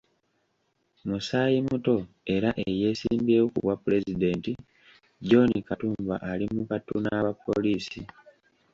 Musaayimuto era eyeesimbyewo ku bwapulezidenti, John Katumba, ali mu kattu n'aba pollisi.